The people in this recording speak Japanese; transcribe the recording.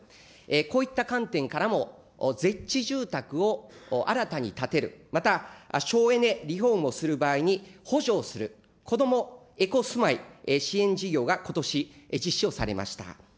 こういった観点からも、ゼッチ住宅を新たに建てる、また、省エネ、リフォームをする場合に補助をする、こどもエコすまい支援事業がことし、実施をされました。